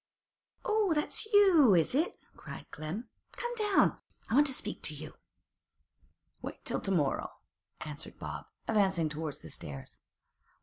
'Oh, that's you, is it?' cried Clem. 'Come down; I want to speak to you.' 'Wait till to morrow,' answered Bob, advancing towards the stairs.